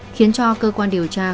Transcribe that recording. khiến cho cơ quan điều tra khó khăn